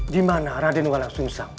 dimana raden walau susah